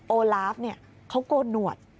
โอลาฟเนี่ยเขาโกนหนวด